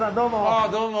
ああどうも。